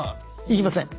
言いません。